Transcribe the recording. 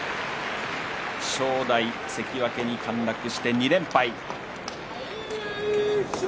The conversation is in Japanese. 正代、関脇に陥落して２連敗。